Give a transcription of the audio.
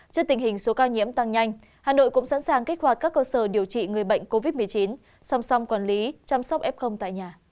trước tình hình số ca nhiễm tăng nhanh hà nội cũng sẵn sàng kích hoạt các cơ sở điều trị người bệnh covid một mươi chín song song quản lý chăm sóc f tại nhà